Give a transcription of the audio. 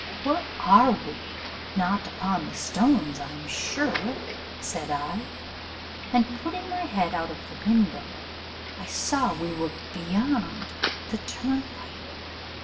'Where are we? not upon the stones, I'm sure,' said I; and putting my head out of the window, I saw we were beyond the turnpike.